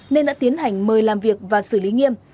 nên đã tiến hành mời làm việc và xử lý nghiêm